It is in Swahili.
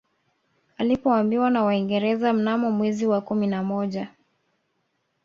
Alipoambiwa na Waingereza mnamo mwezi wa kumi na moja